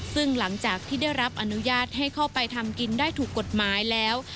ซึ่งหลังจากที่ได้รับอนุญาตให้เข้าไปทำกินได้ถูกกฎหมายแล้ว